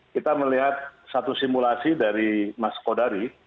kita melihat satu simulasi dari mas kodari